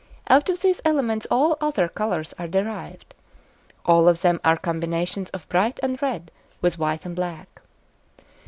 Out of these elements all other colours are derived. All of them are combinations of bright and red with white and black.